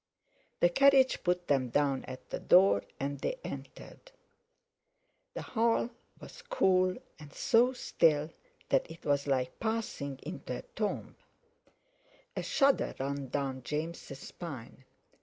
The carriage put them down at the door, and they entered. The hall was cool, and so still that it was like passing into a tomb; a shudder ran down James's spine.